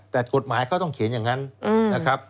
แต่กฎหมายเขาต้องเขียนอย่างนั้นนะครับ